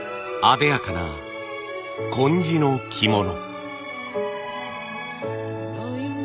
あでやかな紺地の着物。